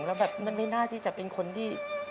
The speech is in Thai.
แล้วแบบมันไม่น่าที่จะเป็นคนที่